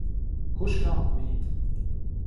Hauschka Med“.